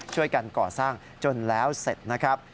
ช่วยกันก่อสร้างจนแล้วเสร็จนะครับ